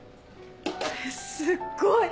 すっごい！